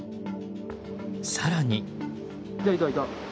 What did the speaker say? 更に。